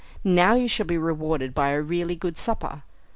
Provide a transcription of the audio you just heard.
Now you shall be rewarded by a really good supper."